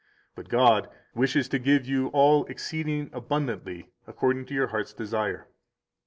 But God wishes to give you all exceeding abundantly according to your heart's desire.